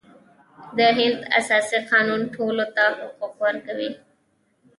د هند اساسي قانون ټولو ته حقوق ورکوي.